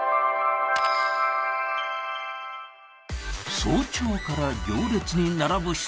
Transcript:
早朝から行列に並ぶ人。